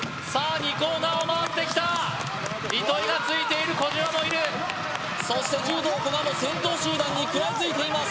２コーナーを回ってきた糸井がついている小島もいるそして柔道・古賀も先頭集団に食らいついています